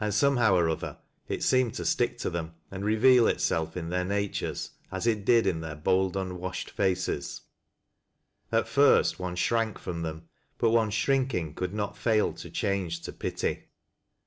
somehow or other, it seemed to stick to them and reveal itself in their natures as it did in their bold unwashed faces At first one shrank from them, but one's shrink ing could not fail to change to pity.